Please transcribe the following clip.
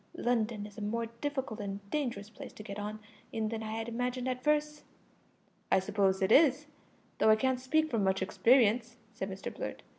London is a more difficult and dangerous place to get on in than I had imagined at first." "I suppose it is, though I can't speak from much experience," said Mr Blurt.